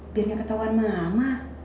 biar gak ketahuan mama